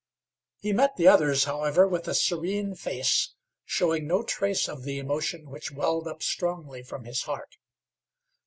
He met the others, however, with a serene face, showing no trace of the emotion which welled up strongly from his heart.